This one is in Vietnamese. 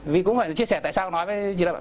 vì cũng phải chia sẻ tại sao nói với chị là bạn